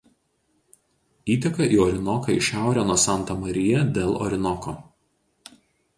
Įteka į Orinoką į šiaurę nuo Santa Marija del Orinoko.